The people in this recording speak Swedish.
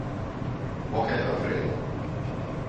Vad kan jag göra för er?